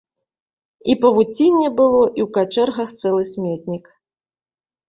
І павуцінне было, і ў качэргах цэлы сметнік.